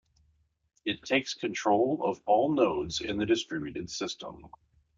It takes control of all nodes in the distributed system.